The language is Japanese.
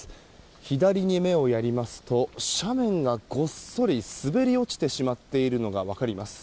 左に目をやりますと斜面がごっそり滑り落ちてしまっているのが分かります。